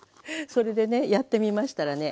それでねやってみましたらね